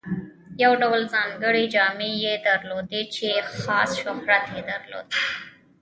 یو ډول ځانګړې جامې یې درلودې چې خاص شهرت یې درلود.